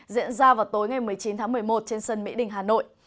diễn ra vào tối ngày một mươi chín tháng một mươi một trên sân mỹ đình hà nội